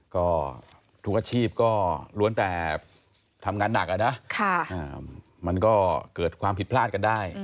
ก็ทุกอาชีพก็ล้วนแต่ทำงานหนักอะนะมันก็เกิดความผิดพลาดกันได้